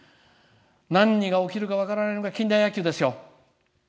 何が起きるのか分からないのが近代野球ですよ。